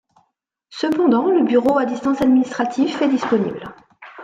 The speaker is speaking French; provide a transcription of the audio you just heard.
Cependant le bureau à distance administratif est disponible.